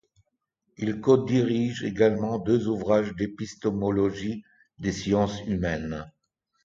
Il codirige également deux ouvrages d’épistémologie des sciences humaines.